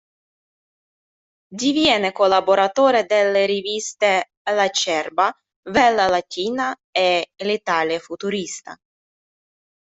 Diviene collaboratore delle riviste "Lacerba", "Vela Latina" e "L'Italia futurista".